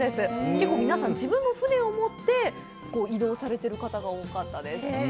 結構、皆さん、自分の船を持って移動されている方が多かったです。